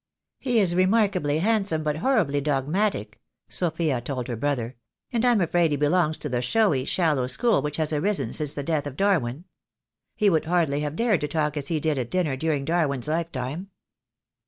"He is remarkably handsome, but horribly dogmatic," Sophia told her brother, "and I'm afraid he belongs to the showy, shallow school which has arisen since the death of Darwin. He would hardly have dared to talk as he did at dinner during Darwin's lifetime."